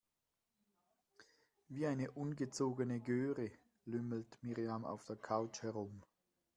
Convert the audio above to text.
Wie eine ungezogene Göre lümmelt Miriam auf der Couch herum.